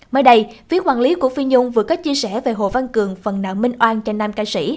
mới đây phía quản lý của phi nhung vừa có chia sẻ về hồ văn cường phần nợ minh oan trên nam ca sĩ